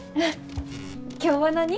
今日は何？